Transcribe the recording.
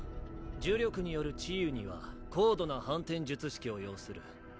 呪力による治癒には高度な反転術式を要する。